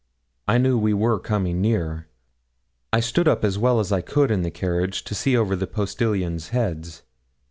I knew we were coming near. I stood up as well as I could in the carriage, to see over the postilions' heads.